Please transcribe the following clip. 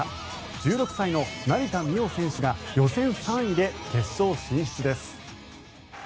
１６歳の成田実生選手が予選３位で決勝進出です。